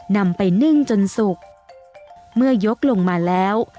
นำไปนึ่งจนสุกเมื่อยกลงมาแล้ว